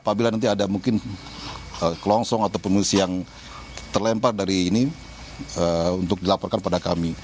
apabila nanti ada mungkin kelongsong atau pengungsi yang terlempar dari ini untuk dilaporkan pada kami